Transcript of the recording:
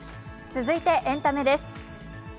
続いてエンタメです。